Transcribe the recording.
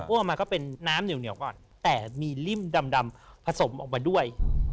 ออกมาก็เป็นน้ำเหนียวก่อนแต่มีริ่มดำผสมออกมาด้วย